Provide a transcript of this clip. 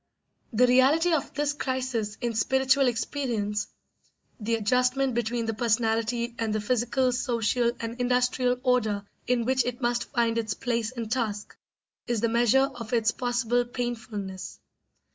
The reality of this crisis in spiritual experience the adjustment between the personality and the physical, social, and industrial order in which it must find its place and task is the measure of its possible painfulness.